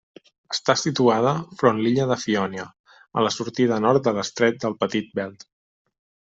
Està situada front l'illa de Fiònia a la sortida nord de l'estret del Petit Belt.